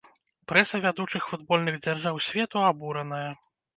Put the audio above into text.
Прэса вядучых футбольных дзяржаў свету абураная.